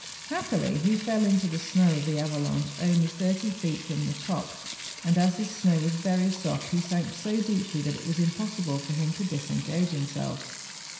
Happily he fell into the snow of the avalanche only thirty feet from the top, and as this snow was very soft, he sank so deeply that it was impossible for him to disengage himself.